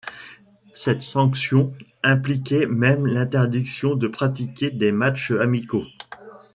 Cette sanction impliquait même l'interdiction de pratiquer des matchs amicaux.